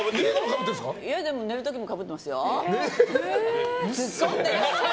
家でも寝る時もかぶってますよ。